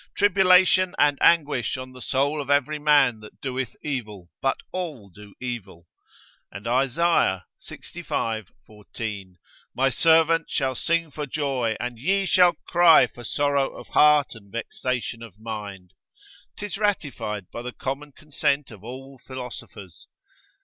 Tribulation and anguish on the soul of every man that doeth evil; but all do evil. And Isaiah, lxv. 14, My servant shall sing for joy, and ye shall cry for sorrow of heart, and vexation of mind. 'Tis ratified by the common consent of all philosophers.